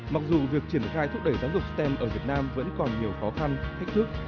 mặc dù việc triển khai thúc đẩy giáo dục stem ở việt nam vẫn còn nhiều khó khăn thách thức